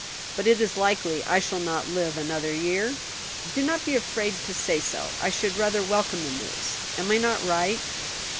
"But it is likely I shall not live another year? do not be afraid to say so: I should rather welcome the news. Am I not right?"